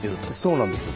そうなんですよ。